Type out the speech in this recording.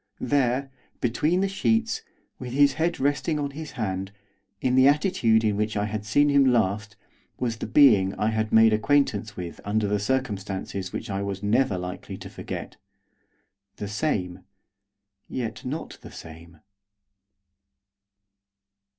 There, between the sheets, with his head resting on his hand, in the attitude in which I had seen him last, was the being I had made acquaintance with under circumstances which I was never likely to forget, the same, yet not the same.